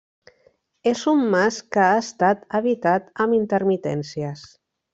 És un mas que ha estat habitat amb intermitències.